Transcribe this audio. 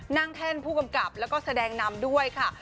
แท่นผู้กำกับแล้วก็แสดงนำด้วยค่ะ